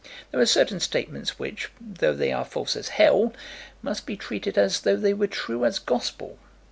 There are certain statements which, though they are false as hell, must be treated as though they were true as gospel.